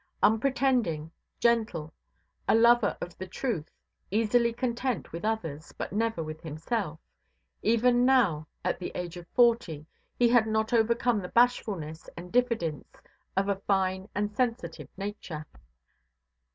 Unpretending, gentle, a lover of the truth, easily content with others, but never with himself, even now, at the age of forty, he had not overcome the bashfulness and diffidence of a fine and sensitive nature.